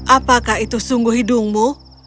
apakah itu sungguh hidungmu